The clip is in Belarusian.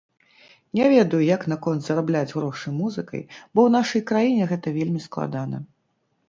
Не ведаю, як наконт зарабляць грошы музыкай, бо ў нашай краіне гэта вельмі складана.